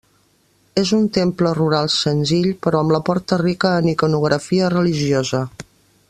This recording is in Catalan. És un temple rural senzill però amb la porta rica en iconografia religiosa.